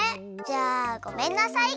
じゃあごめんなさい！